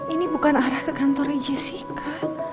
ini bukan arah ke kantornya jessica